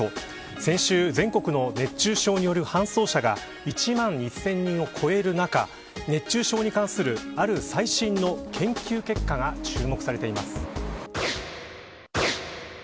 先週、全国の熱中症による搬送者が１万１０００人を超える中熱中症に関する、ある最新の研究結果が注目されています。